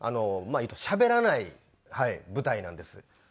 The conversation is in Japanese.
まあいうとしゃべらない舞台なんです。